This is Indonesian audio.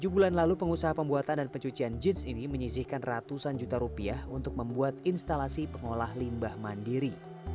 tujuh bulan lalu pengusaha pembuatan dan pencucian jeans ini menyisihkan ratusan juta rupiah untuk membuat instalasi pengolah limbah mandiri